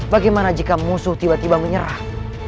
bagaimana jika musuh tiba tiba menyerah